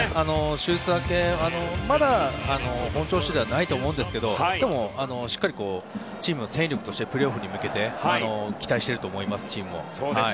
手術明けでまだ本調子ではないと思うんですけどでも、しっかりとチームの戦力としてプレーオフに向けてチームも期待していると思います。